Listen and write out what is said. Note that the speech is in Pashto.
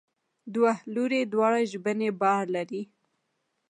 دوه لوري دواړه ژبنی بار لري.